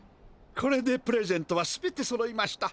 これでプレゼントは全てそろいました。